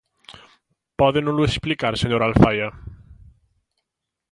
¿Pódenolo explicar, señor Alfaia?